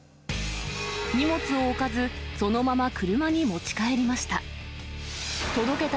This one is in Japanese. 荷物を置かず、そのまま車に持ち帰りました。